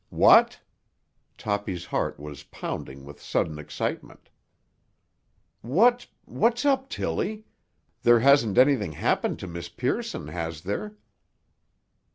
"What?" Toppy's heart was pounding with sudden excitement. "What—what's up, Tilly? There hasn't anything happened to Miss Pearson, has there?"